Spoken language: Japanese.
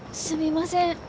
すみません。